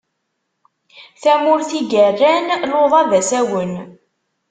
Tamurt i yerran luḍa d asawen.